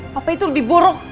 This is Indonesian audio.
papa itu lebih buruk